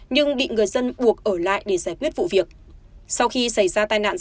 nhưng định người dân buộc ở lại để giải quyết vụ việc